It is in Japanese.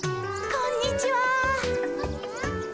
こんにちは。